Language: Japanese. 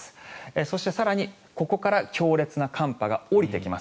そして更にここから強烈な寒波が下りてきます。